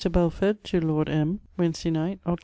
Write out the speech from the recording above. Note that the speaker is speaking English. BELFORD, TO LORD M. WEDN. NIGHT, OCT.